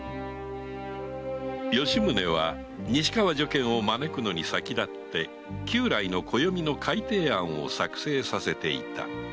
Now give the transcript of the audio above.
吉宗は西川如見を招くのに先立って旧来の暦の改定案を作成させていた